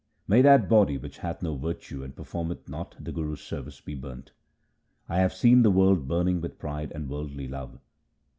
May that body which hath no virtues and performeth not the Guru's service be burnt ! I have seen the world burning with pride and worldly love.